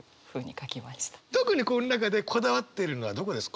特にこの中でこだわっているのはどこですか？